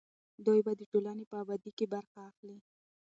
دوی به د ټولنې په ابادۍ کې برخه اخلي.